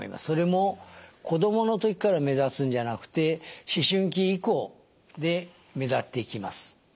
それも子どもの時から目立つんじゃなくて思春期以降で目立ってきます。